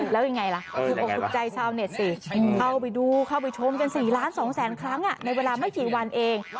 แล้วยังไงล่ะคุกใจเช้าเน็ตสิเข้าไปดูเข้าไปชมจนสี่ล้านสองแสนครั้งในเวลาไม่กี่วันเอง